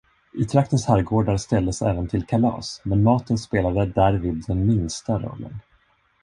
I traktens herrgårdar ställdes även till kalas, men maten spelade därvid den minsta rollen.